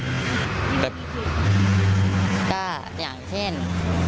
ก็อย่างเช่นพี่เรียกห้าพันนะแต่น้องไหวไหม